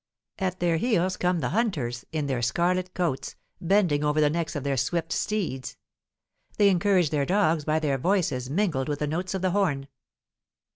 At their heels come the hunters in their scarlet coats, bending over the necks of their swift steeds; they encourage their dogs by their voices mingled with the notes of the horn.